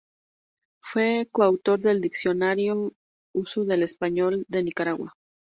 Fue coautor del Diccionario de Uso del Español de Nicaragua.